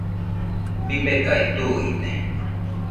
Bibekae tuide.